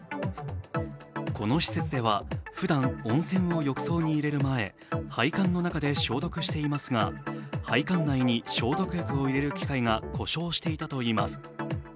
この施設ではふだん、温泉を浴槽に入れる前、配管の中で消毒していますが配管内に消毒薬を入れる機械が故障していたといいます。